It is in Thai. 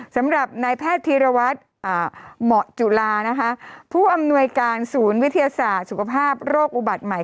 สำหรับนายแพทย์ธีรวัตรเหมาะจุลานะคะผู้อำนวยการศูนย์วิทยาศาสตร์สุขภาพโรคอุบัติใหม่